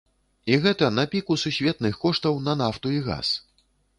І гэта на піку сусветных коштаў на нафту і газ!